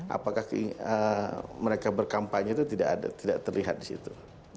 apakah mereka berkampanye itu tidak terlihat di situ